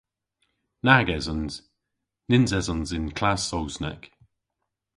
Nag esons. Nyns esons y�n klass Sowsnek.